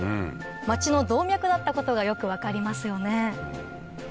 町の動脈だったことがよく分かりますよね